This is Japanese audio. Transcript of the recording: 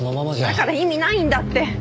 だから意味ないんだって！